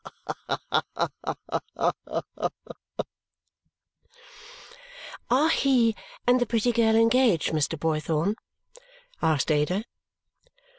Ha ha ha ha!" "Are he and the pretty girl engaged, Mr. Boythorn?" asked Ada.